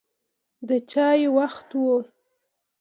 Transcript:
د چای وخت و.